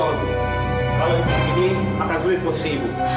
kalau begini akan sulit posisi ibu